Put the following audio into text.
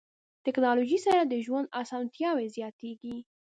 ټکنالوژي سره د ژوند اسانتیاوې زیاتیږي.